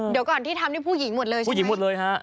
เดี๋ยวก่อนที่ทำนี่ผู้หญิงหมดเลยใช่ไหมผู้หญิงหมดเลยฮะ